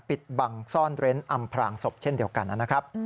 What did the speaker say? ปิดบังอำพรางซ่อนเล้นศพเช่นเดียวกันนั้นนะครับ